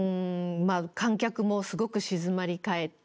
まあ観客もすごく静まり返って。